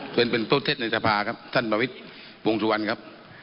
เป็นเป็นต้นเทศในทรภาครับท่านประวิทย์บวงสุวรรณครับ